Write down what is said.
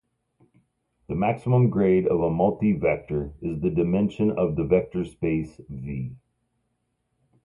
The maximum grade of a multivector is the dimension of the vector space "V".